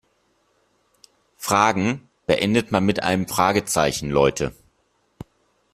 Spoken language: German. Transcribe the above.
Fragen beendet man mit einem Fragezeichen, Leute!